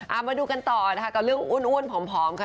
เอามาดูกันต่อนะคะกับเรื่องอ้วนผอมค่ะ